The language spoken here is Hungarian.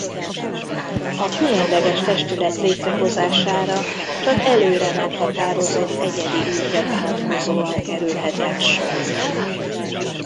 A különleges testület létrehozására csak előre meghatározott egyedi ügyre vonatkozóan kerülhetett sor.